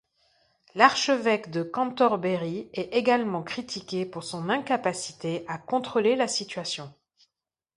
L'archevêque de Cantorbéry est également critiqué pour son incapacité à contrôler la situation.